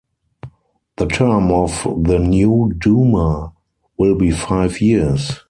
The term of the new Duma will be five years.